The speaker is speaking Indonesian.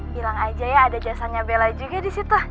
bilang aja ya ada jasanya bella juga disitu